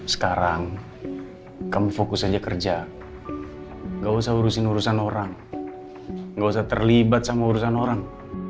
sekarang kamu fokus aja kerja gak usah urusan orang nggak usah terlibat sama urusan orang